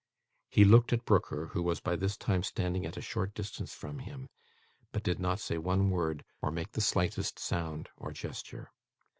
He looked at Brooker, who was by this time standing at a short distance from him; but did not say one word, or make the slightest sound or gesture.